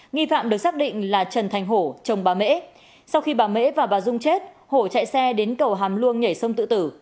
nghi phạm được xác định là trần thành hổ chồng bà mễ sau khi bà mễ và bà dung chết hổ chạy xe đến cầu hàm luông nhảy sông tự tử